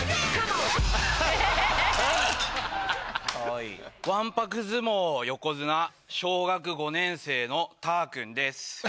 わんぱく相撲横綱小学５年生のたーくんです。